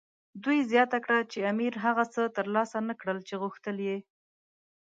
دوی زیاته کړه چې امیر هغه څه ترلاسه نه کړل چې غوښتل یې.